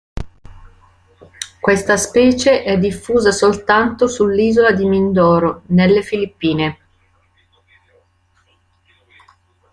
Questa specie è diffusa soltanto sull'Isola di Mindoro, nelle Filippine.